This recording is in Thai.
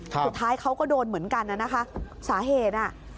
สุดท้ายเขาก็โดนเหมือนกันน่ะนะคะสาเหตุอ่ะ